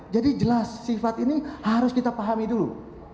jadi jelas sifat ini harus kita pahami dulu